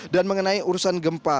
dan mengenai urusan gempa